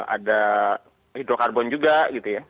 ada hidrokarbon juga gitu ya